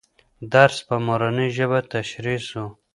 درس په مورنۍ ژبه تشریح سو.